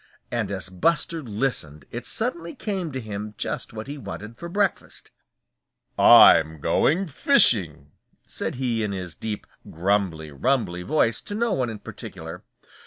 And as Buster listened it suddenly came to him just what he wanted for breakfast. "I'm going fishing," said he in his deep grumbly rumbly voice to no one in particular.